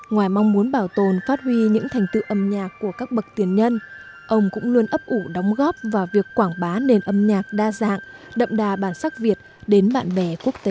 ngoài mong muốn bảo tồn phát huy những thành tựu âm nhạc của các bậc tiền nhân ông cũng luôn ấp ủ đóng góp vào việc quảng bá nền âm nhạc đa dạng đậm đà bản sắc việt đến bạn bè quốc tế